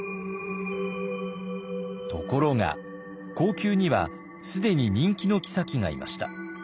ところが後宮には既に人気の后がいました。